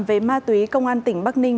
về ma túy công an tỉnh bắc ninh